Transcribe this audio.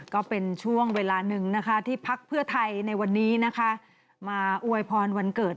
ก็เป็นช่วงเวลาหนึ่งนะคะที่พักเพื่อไทยในวันนี้นะคะมาอวยพรวันเกิด